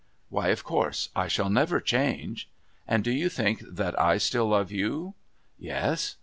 "Why, of course. I shall never change." "And do you think that I still love you?" "Yes."